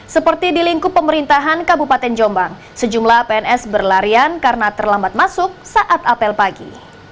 seperti di lingkup pemerintahan kabupaten jombang sejumlah pns berlarian karena terlambat masuk saat apel pagi